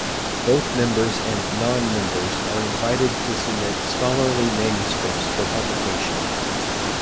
Both members and non-members are invited to submit scholarly manuscripts for publication.